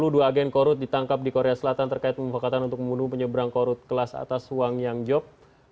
dua ribu sepuluh dua agen korut ditangkap di korea selatan terkait pembukakan untuk membunuh penyeberang korut kelas atas wang yangjop